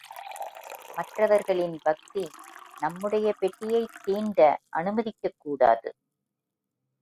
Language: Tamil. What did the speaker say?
மற்றவர்களின் பக்தி நம்முடைய பெட்டியைத் தீண்ட அனுமதிக்கக்கூடாது.